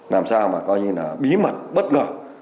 làm sao mà coi như là bí mật bất ngờ